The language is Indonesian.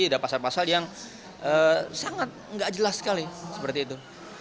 ada pasal pasal yang sangat nggak jelas sekali seperti itu